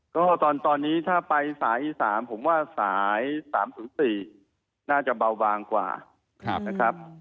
ก็ตอนนี้ถ้าไปสายอีสานผมว่าสาย๓๐๔น่าจะเบาบางกว่านะครับ